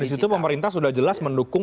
dan disitu pemerintah sudah jelas mendukung